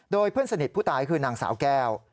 โดยเพื่อนสนิทผู้ตายคือนางสาวแก้ว